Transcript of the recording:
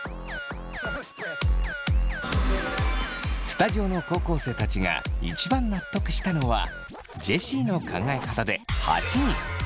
スタジオの高校生たちが一番納得したのはジェシーの考え方で８人。